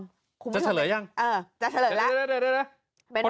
คุณผู้ชมจะเฉลยหรือยังเออจะเฉลยแล้วเดี๋ยว